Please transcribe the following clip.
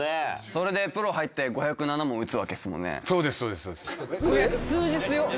それでプロ入って５０７も打つわけですもんね。